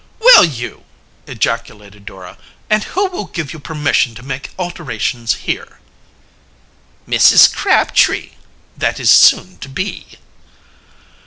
"Will you?" ejaculated Dora. "And who will give you permission to make alterations here?" "Mrs. Crabtree that is soon to be."